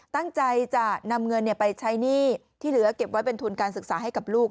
ตั้งใจจะนำเงินไปใช้หนี้ที่เหลือเก็บไว้เป็นทุนการศึกษาให้กับลูก